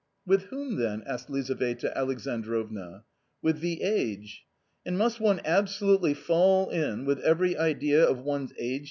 " With whom then ?" asked Lizaveta Alexandrovna. u With the age." " And must one absolutely fall in with every idea of one's age